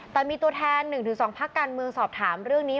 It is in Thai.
แต่มีตัวแทน๑๒พักการเมืองสอบถามเรื่องนี้